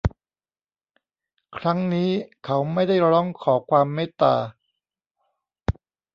ครั้งนี้เขาไม่ได้ร้องขอความเมตตา